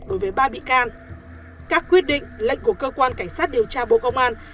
đối với ba bị can các quyết định lệnh của cơ quan cảnh sát điều tra bộ công an